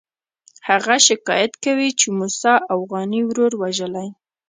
هغه شکایت کوي چې موسی اوغاني ورور وژلی.